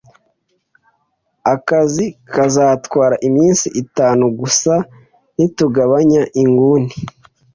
Akazi kazatwara iminsi itanu gusa, nitugabanya inguni